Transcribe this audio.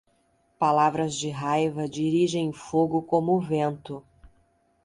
Palavras de raiva dirigem fogo como o vento.